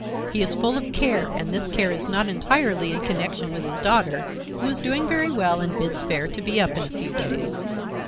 He is full of care and this care is not entirely in connection with his daughter, who is doing very well and bids fair to be up in a few days.